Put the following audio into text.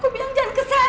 apa yang sih ke sana